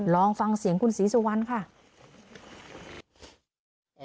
ลองฟังเสียงคุณศรีสุวรรณค่ะ